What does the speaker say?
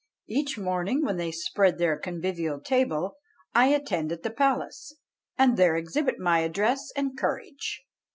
Each morning, when they spread the convivial table, I attend at the palace, and there exhibit my address and courage.